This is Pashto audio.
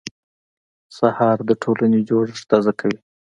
سهار د ټولنې جوړښت تازه کوي.